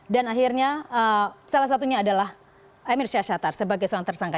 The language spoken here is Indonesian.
dan akhirnya salah satunya adalah emir syahsyatar sebagai soal tersangka